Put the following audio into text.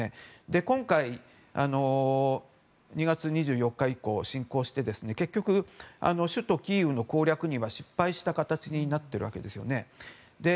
今回、２月２４日以降侵攻して結局、首都キーウの攻略には失敗した形になっているわけですよね。